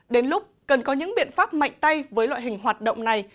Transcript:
đến lúc cần có những biện pháp mạnh tay với loại hình hoạt động này